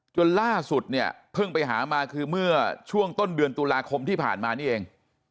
จนล่าสุดเนี่ยเพิ่งไปหามาคือเมื่อช่วงต้นเดือนตุลาคมที่ผ่านมานี่เอง